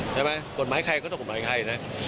ใช่ไหมกฎหมายใครก็ต้องกฎหมายใครนะ